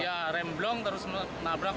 iya remblong terus menabrak